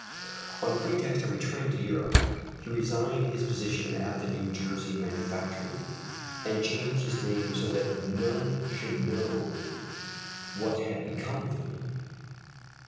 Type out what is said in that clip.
On pretext of returning to Europe, he resigned his position at the New Jersey manufactory, and changed his name so that none should know what had become of him.